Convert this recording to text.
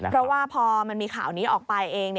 เพราะว่าพอมันมีข่าวนี้ออกไปเอง